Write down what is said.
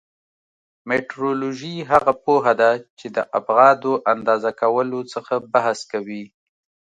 مټرولوژي هغه پوهه ده چې د ابعادو اندازه کولو څخه بحث کوي.